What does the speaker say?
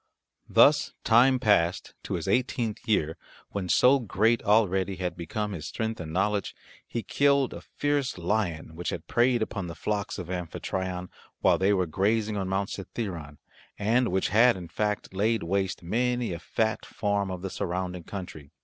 Thus time passed to his eighteenth year when, so great already had become his strength and knowledge, he killed a fierce lion which had preyed upon the flocks of Amphitryon while they were grazing on Mount Cithaeron, and which had in fact laid waste many a fat farm of the surrounding country.